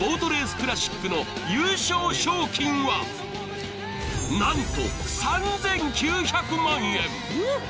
クラシックの優勝賞金ははんと３９００万円。